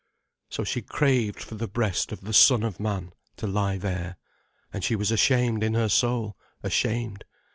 So she craved for the breast of the Son of Man, to lie there. And she was ashamed in her soul, ashamed.